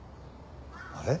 あれ？